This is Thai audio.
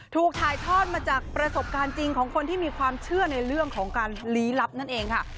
ถูกถ่ายทอดมาจากประสบการณ์จริงของคนที่มีความเชื่อในเรื่องของการลี้ลับนั่นเองค่ะ